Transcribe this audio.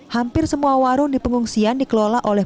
hampir semua warung di pengungsian dikelola oleh